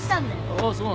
あっそう。